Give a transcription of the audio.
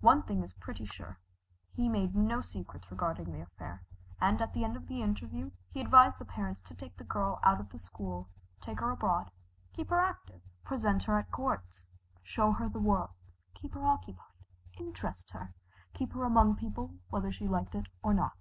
One thing is pretty sure, he made no secrets regarding the affair, and at the end of the interview he advised the parents to take the girl out of school, take her abroad, keep her active, present her at courts, show her the world, keep her occupied, interest her, keep her among people whether she liked it or not.